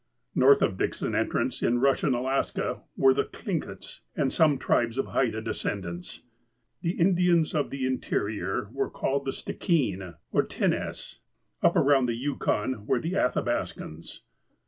North of Dixon Entrance, in Eussian Alaska, were the "Thliugits" and some tribes of "Haida" descendants. The Indians of the interior were called the " Stikeen " or " Tinnehs." Up around the Yukon were the " Athabas kans."